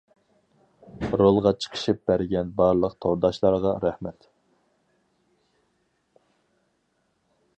رولغا چىقىشىپ بەرگەن بارلىق تورداشلارغا رەھمەت.